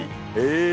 え！